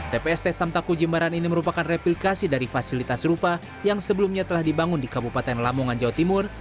tpst samtaku jimbaran ini merupakan replikasi dari fasilitas serupa yang sebelumnya telah dibangun di kabupaten lamongan jawa timur